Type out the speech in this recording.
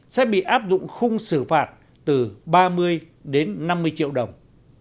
sẽ bị áp dụng khung xử phạt từ ba mươi đến năm mươi triệu đồng